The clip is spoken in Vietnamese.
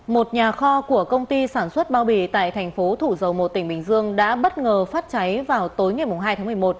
một nhà kho của công ty sản xuất bao bì tại thành phố thủ dầu một tỉnh bình dương đã bất ngờ phát cháy vào tối ngày hai tháng một mươi một